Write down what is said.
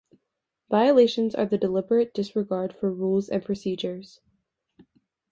Violations are the deliberate disregard for rules and procedures.